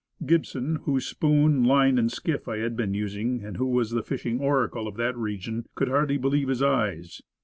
Gibson, whose spoon, line and skiff I had been using and who was the fishing oracle of that region, could hardly believe his eyes.